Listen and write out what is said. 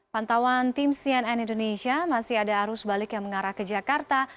pantauan tim cnn indonesia masih ada arus balik yang mengarah ke jakarta